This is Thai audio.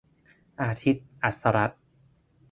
อาทิตย์ อัสสรัตน์